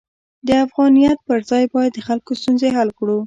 د افغانیت پر ځای باید د خلکو ستونزې حل کړو.